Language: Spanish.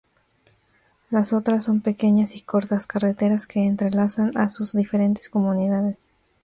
Las otras son pequeñas y cortas carreteras que entrelazan a sus diferentes comunidades.